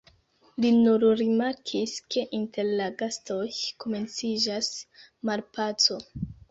Li nur rimarkis, ke inter la gastoj komenciĝas malpaco.